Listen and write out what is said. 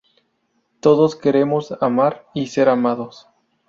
Todos queremos amar y ser amados.